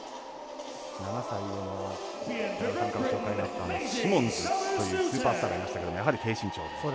７歳上の寺田さんから紹介があったシモンズというスーパースターがいましたけどやはり低身長。